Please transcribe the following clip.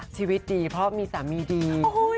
ชีวิตดีเพราะมีสามีดี